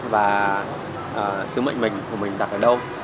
và sứ mệnh của mình đặt ở đâu